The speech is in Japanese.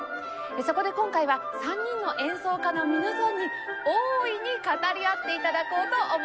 そこで今回は３人の演奏家の皆さんに大いに語り合って頂こうと思います。